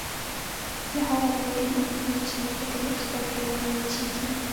يا هاغه د يتيم اوښکې چې پۀ خپل ګريوان وچيږي